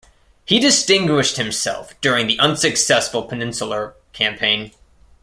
He distinguished himself during the unsuccessful Peninsular Campaign.